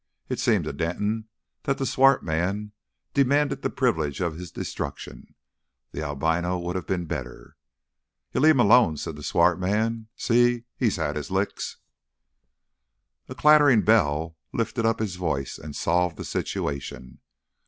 It seemed to Denton that the swart man demanded the privilege of his destruction. The albino would have been better. "You leave 'im alone," said the swart man. "See? 'E's 'ad 'is licks." A clattering bell lifted up its voice and solved the situation.